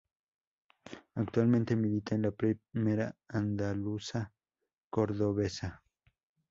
Actualmente milita en la Primera Andaluza Cordobesa.